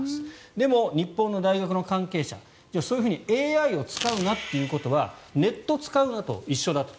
でも、日本の大学の関係者そういうふうにＡＩを使うなということはネットを使うなと一緒だと。